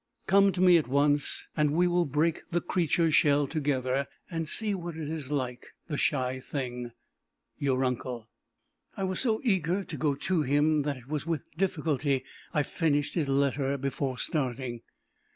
Come to me at once, and we will break the creature's shell together, and see what it is like, the shy thing! Your uncle." I was so eager to go to him, that it was with difficulty I finished his letter before starting.